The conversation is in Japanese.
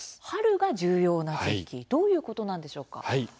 春が重要な時期どういうことなんでしょうか。